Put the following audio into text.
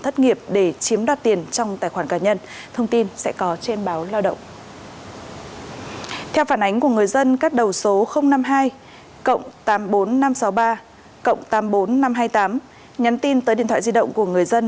theo phản ánh của người dân các đầu số năm mươi hai tám mươi bốn nghìn năm trăm sáu mươi ba cộng tám mươi bốn nghìn năm trăm hai mươi tám nhắn tin tới điện thoại di động của người dân